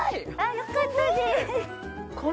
よかったです！